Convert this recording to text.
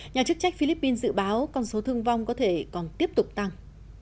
nhà chức trách philippines dự báo con số thương vong có thể còn tiếp tục tăng